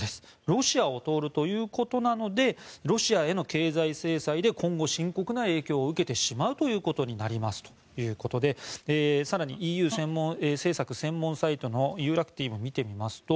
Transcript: ロシアを通るということなのでロシアへの経済制裁で今後、深刻な影響を受けてしまうことになりますということで更に、ＥＵ政策専門サイトのユーラクティブを見てみますと